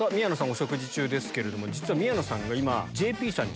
お食事中ですけれども実は宮野さんが今。